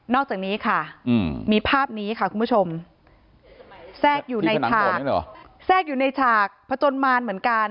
อกจากนี้ค่ะมีภาพนี้ค่ะคุณผู้ชมแทรกอยู่ในฉากแทรกอยู่ในฉากผจญมารเหมือนกัน